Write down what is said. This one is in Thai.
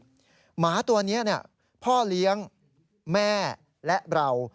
หมาตัวนี้พ่อเลี้ยงแม่และเรา